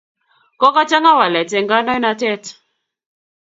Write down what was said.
Kokochang'a walet eng' kandoinatet.